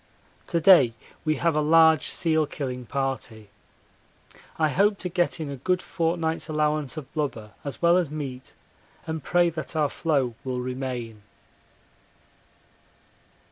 To day we have a large seal killing party. I hope to get in a good fortnight's allowance of blubber as well as meat, and pray that our floe will remain.